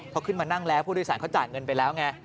พอขึ้นมานั่งแล้วผู้โดยสารเขาจ่ายเงินไปแล้วไง